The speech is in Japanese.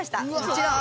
もちろん。